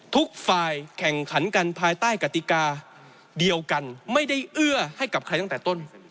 ทุกฝ่ายแข่งขันกันภายใต้กติกาเดียวกันไม่ได้เอื้อให้กับใครตั้งแต่ต้น